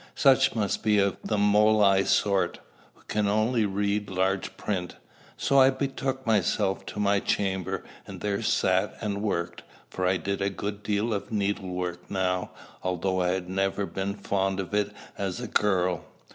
Such must be of the mole eyed sort, who can only read large print. So I betook myself to my chamber, and there sat and worked; for I did a good deal of needle work now, although I had never been fond of it as a girl.